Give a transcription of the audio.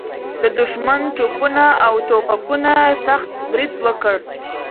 د دښمن توپونه او توپکونه سخت برید وکړ.